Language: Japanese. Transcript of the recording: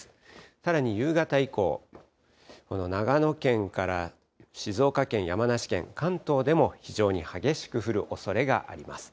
さらに夕方以降、長野県から静岡県、山梨県、関東でも、非常に激しく降るおそれがあります。